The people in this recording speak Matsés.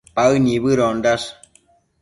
Paë nibëdondash